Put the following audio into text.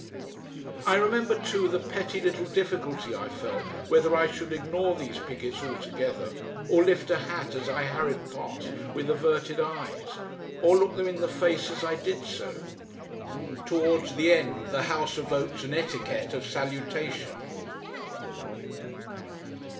I remember too the petty little difficulty I felt whether I should ignore these pickets altogether, or lift a hat as I hurried past with averted eyes, or look them in the face as I did so. Towards the end the House evoked an etiquette of salutation.